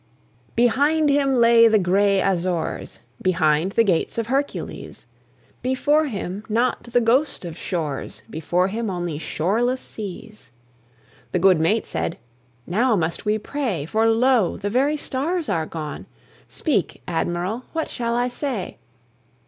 Behind him lay the gray Azores, Behind the gates of Hercules; Before him not the ghost of shores, Before him only shoreless seas. The good mate said: "Now must we pray, For lo! the very stars are gone; Speak, Admiral, what shall I say?"